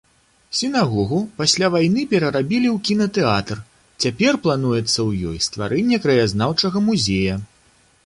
Сінагогу пасля вайны перарабілі ў кінатэатр, цяпер плануецца ў ёй стварэнне краязнаўчага музея.